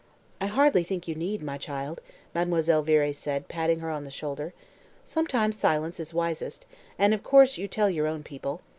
"I hardly think you need, my child," Mademoiselle Viré said, patting her on the shoulder. "Sometimes silence is wisest, and, of course, you tell your own people.